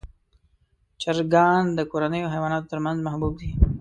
چرګان د کورنیو حیواناتو تر منځ محبوب دي.